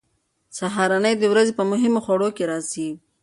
سهارنۍ د ورځې په مهمو خوړو کې راځي.